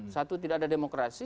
satu tidak ada demokrasi